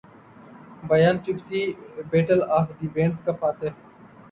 بیان Pepsi battle of the bands کا فاتح